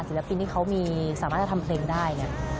ศิลปินที่เขามีสามารถจะทำเพลงได้เนี่ย